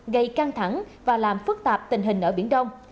gây căng thẳng và làm phức tạp tình hình ở việt nam